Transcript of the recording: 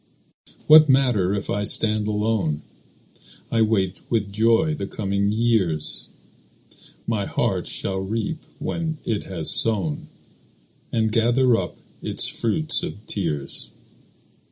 What matter if I stand alone? I wait with joy the coming years; My heart shall reap when it has sown, And gather up its fruit of tears.